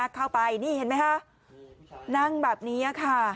เข้าไปนี่เห็นไหมคะนั่งแบบนี้ค่ะ